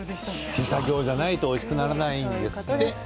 手作業じゃないとおいしくならないんですね。